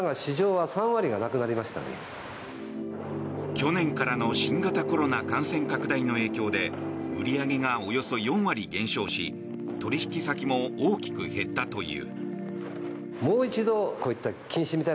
去年からの新型コロナ感染拡大の影響で売り上げがおよそ４割減少し取引先も大きく減ったという。